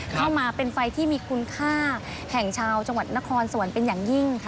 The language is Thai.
เข้ามาเป็นไฟที่มีคุณค่าแห่งชาวจังหวัดนครสวรรค์เป็นอย่างยิ่งค่ะ